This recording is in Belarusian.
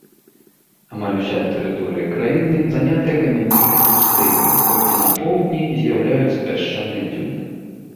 Амаль уся тэрыторыя краіны занятая камяністай пустэльняй, толькі на поўдні з'яўляюцца пясчаныя дзюны.